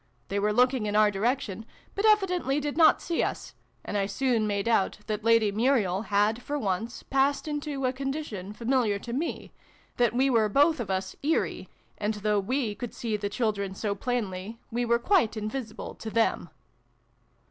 They were looking in our direction, but evidently did not see us, and I soon made out that Lady Muriel had for once passed into a condition familiar to xix] A FAIRY DUET. 305 me, that we were both of us ' eerie ', and that, though we could see the children so plainly, we were quite invisible to them.